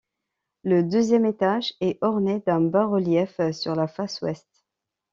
Le deuxième étage est orné d'un bas-relief sur la face ouest.